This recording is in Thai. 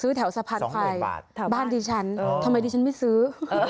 แถวสะพานควายบ้านดิฉันทำไมดิฉันไม่ซื้อ